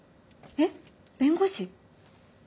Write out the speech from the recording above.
えっ弁護士？